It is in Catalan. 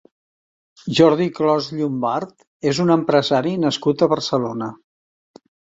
Jordi Clos Llombart és un empresari nascut a Barcelona.